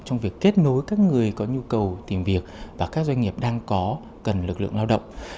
trong việc kết nối các người có nhu cầu tìm việc và các doanh nghiệp đang có cần lực lượng lao động